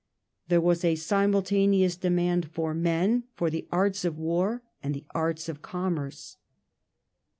There was a simul taneous demand for men for the arts of war and the arts of commerce.